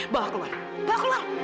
bawa keluar bawa keluar